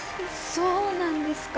そうなんですか。